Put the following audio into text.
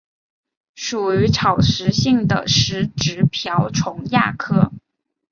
属于草食性的食植瓢虫亚科。